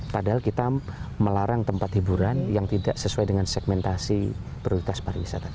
padahal kita melarang tempat hiburan yang tidak sesuai dengan segmentasi prioritas pariwisata